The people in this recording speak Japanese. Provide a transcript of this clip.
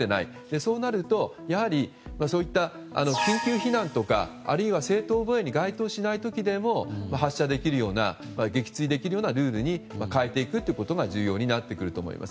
そうなるとそういった緊急避難やあるいは正当防衛に該当しない時でも発射できるような撃墜できるようなルールに変えていくことが重要になってくると思います。